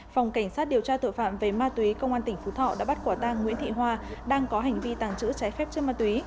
phòng cảnh sát điều tra tội phạm về ma túy công an tỉnh phú thọ đã bắt quả tang nguyễn thị hoa đang có hành vi tàng trữ trái phép chất ma túy